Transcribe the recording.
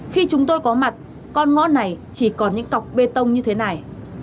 khi chúng tôi có mặt con ngõ này chỉ còn những cọc bê tông như thế này